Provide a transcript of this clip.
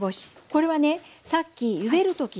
これはねさっきゆでる時に使った。